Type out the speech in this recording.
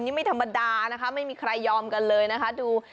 นี่ไม่ธรรมดานะคะไม่มีใครยอมกันเลยนะคะดู